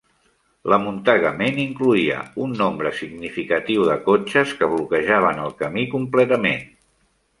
L'amuntegament incloïa un nombre significatiu de cotxes que bloquejaven el camí completament.